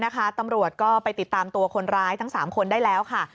ตำรวจก็ไปติดตามตัวคนร้ายทั้ง๓คนได้แล้วค่ะ